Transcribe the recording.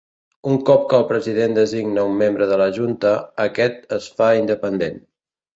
Un cop que el president designa un membre de la junta, aquest es fa independent.